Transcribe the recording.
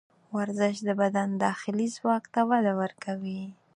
ورزش د بدن داخلي ځواک ته وده ورکوي.